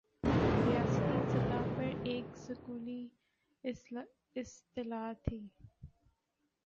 ریاستی سطح پر ایک سکولی اصطلاح تھِی